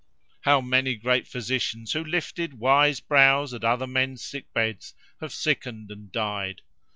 How many great physicians who lifted wise brows at other men's sick beds, have sickened and died!